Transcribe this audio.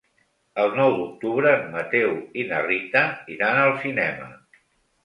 El nou d'octubre en Mateu i na Rita iran al cinema.